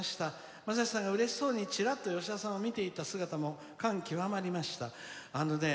まさしさんが、うれしそうにちらっと政美さんを見ていた姿感極まりました」。